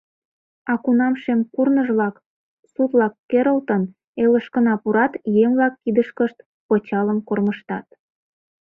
А кунам шем курныж-влак, Сутлак Керылтын, элышкына пурат, Еҥ-влак кидышкышт пычалым кормыжтат…